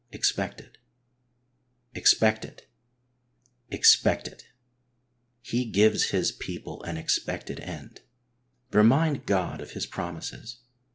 Expect it, expect it, expect it !" He gives His people an expected end." Remind God of His promises.